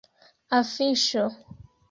afiŝo